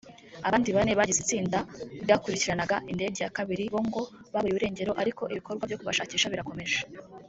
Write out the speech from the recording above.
Abandi bane bagize itsinda ryakurikiranaga indege ya kabiri bo ngo baburiwe irengero ariko ibikorwa byo kubashakisha birakomeje